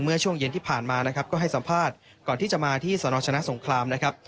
เมื่อช่วงเย็นที่ผ่านมานะครับก็ให้สัมภาษณ์ก่อนที่จะมาที่สนชนะสงครามนะครับ